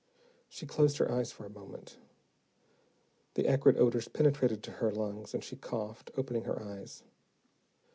She closed her eyes for a moment. The acrid odors penetrated to her lungs, and she coughed, opening her eyes.